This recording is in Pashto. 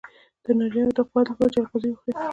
د نارینه وو د قوت لپاره چلغوزي وخورئ